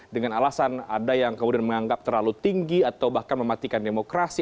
dengan alasan ada yang kemudian menganggap terlalu tinggi atau bahkan mematikan demokrasi